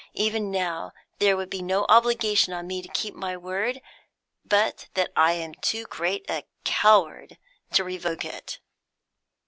Even now there would be no obligation on me to keep my word, but that I am too great a coward to revoke it."